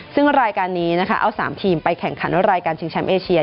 ซึ่งรายการนี้นะคะเอา๓ทีมไปแข่งขันรายการชิงแชมป์เอเชีย